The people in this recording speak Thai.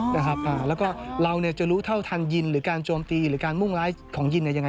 แล้วก็เราจะรู้เท่าทันยินหรือการโจมตีหรือการมุ่งร้ายของยินเนี่ยยังไง